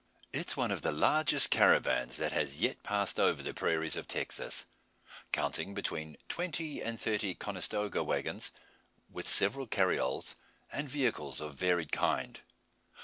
It is one of the largest caravans that has yet passed over the prairies of Texas, counting between twenty and thirty "Conestoga" wagons, with several "carrioles" and vehicles of varied kind.